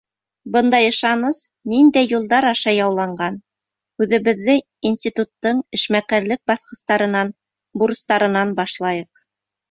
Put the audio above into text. Бындай ышаныс ниндәй юлдар аша яуланған — һүҙебеҙҙе институттың эшмәкәрлек баҫҡыстарынан, бурыстарынан башлайыҡ.